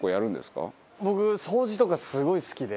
僕掃除とかすごい好きで。